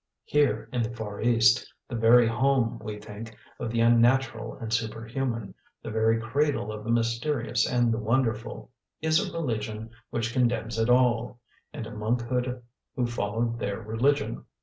Here in the far East, the very home, we think, of the unnatural and superhuman, the very cradle of the mysterious and the wonderful, is a religion which condemns it all, and a monkhood who follow their religion.